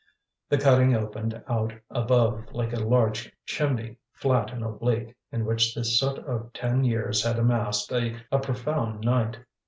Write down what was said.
The cutting opened out above like a large chimney, flat and oblique, in which the soot of ten years had amassed a profound night.